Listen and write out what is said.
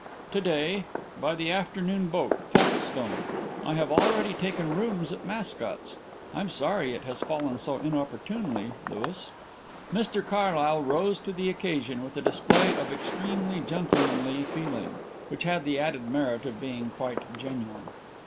"To day. By the afternoon boat Folkestone. I have already taken rooms at Mascot's. I'm sorry it has fallen so inopportunely, Louis." Mr Carlyle rose to the occasion with a display of extremely gentlemanly feeling which had the added merit of being quite genuine.